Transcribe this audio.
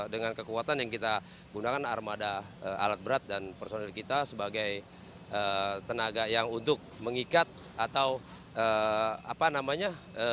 dengan kekuatan yang kita gunakan armada alat berat dan personil kita sebagai tenaga yang untuk mengikat atau apa namanya